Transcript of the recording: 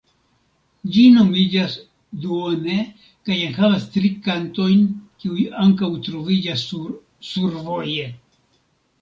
Ĝi nomiĝas "Duone" kaj enhavas tri kantojn kiuj ankaŭ troviĝas sur "Survoje".